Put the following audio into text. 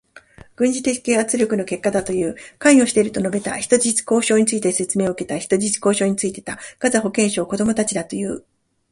軍事的圧力の結果だという。関与していると述べた。人質交渉について説明を受けた。人質交渉についてた。ガザ保健省、子どもたちだという。